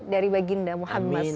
dari baginda muhammad saw